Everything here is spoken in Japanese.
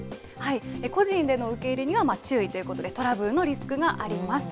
個人での受け入れには注意ということで、トラブルのリスクがあります。